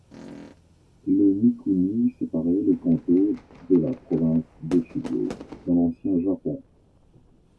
Le Mikuni séparait le Kantō de la province d'Echigo dans l'ancien japon.